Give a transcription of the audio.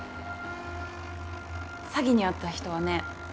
詐欺に遭った人はね